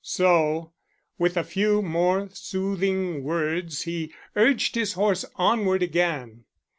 So, with a few more soothing words, he urged his horse onward again.